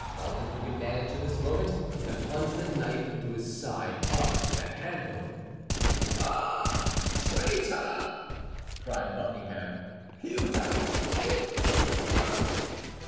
Felton took advantage of this moment, and plunged the knife into his side up to the handle. "Ah, traitor," cried Buckingham, "you have killed me!"